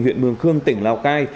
huyện mương khương tỉnh lào cai